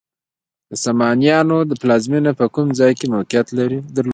د سامانیانو پلازمینه په کوم ځای کې موقعیت درلود؟